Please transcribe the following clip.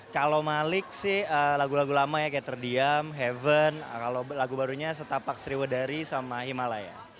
kalau malik sih lagu lagu lama ya kayak terdiam heaven kalau lagu barunya setapak sriwedari sama himalaya